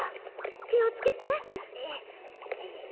きをつけて。